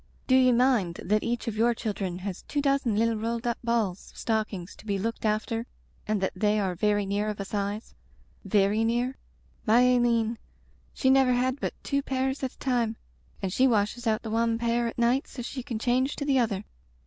Do ye mind that each of your children has two dozen little rolled up balls of stockings to be looked after and that they are very near of a size — ^very near? My Aileen — she never had but two pairs at a time and she washes out the wan pair at night so she can change to the other.